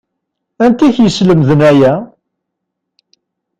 Anti i k-yeslemden aya?